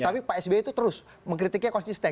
tapi pak sby itu terus mengkritiknya konsisten